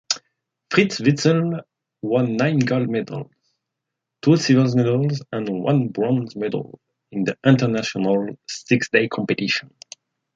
Fritz Witzel won nine gold medals, two silver medals and one bronze medal in the international six-day competition.